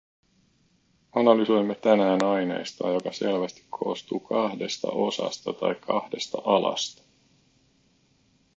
Analysoimme tänään aineistoa, joka selvästi koostuu kahdesta osasta tai kahdesta alasta.